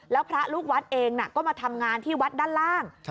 แล้วพระลูกวัดเองก็มาทำงานที่วัดด้านล่าง